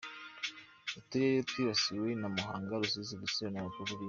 Uturere twibasiwe ni Muhanga, Rusizi, Rutsiro na Rulindo.